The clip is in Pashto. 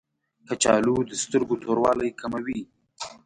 کچالو د سترګو توروالی کموي